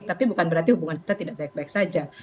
tapi bukan berarti hubungan kita tidak baik baik saja